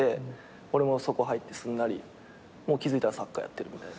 俺もそこ入ってすんなりもう気付いたらサッカーやってるみたいな。